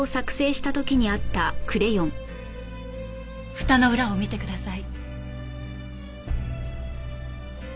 ふたの裏を見てください。